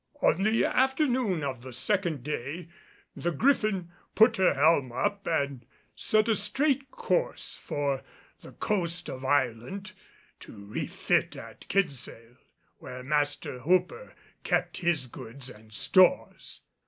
On the afternoon of the second day the Griffin put her helm up and set a straight course for the coast of Ireland, to refit at Kinsale, where Master Hooper kept his goods and stores.